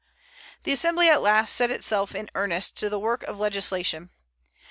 The Assembly at last set itself in earnest to the work of legislation.